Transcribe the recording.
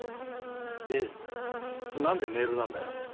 でなんでメールなんだよ